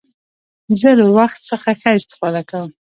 زه له وخت څخه ښه استفاده کوم.